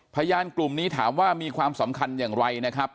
พยานกลุ่มนี้ถามว่ามีความสำคัญอย่างไรนะครับ